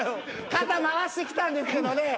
肩回してきたんですけどね